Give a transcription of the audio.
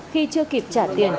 khi chưa kịp trả tiền